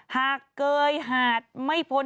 เกยหาดไม่พ้น